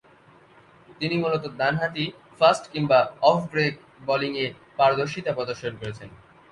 তিনি মূলতঃ ডানহাতি ফাস্ট কিংবা অফ ব্রেক বোলিংয়ে পারদর্শিতা প্রদর্শন করেছেন।